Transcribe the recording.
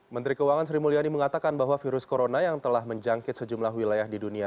menteri keuangan sri mulyani mengatakan bahwa virus corona yang telah menjangkit sejumlah wilayah di dunia